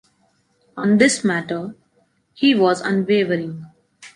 On this matter, he was unwavering.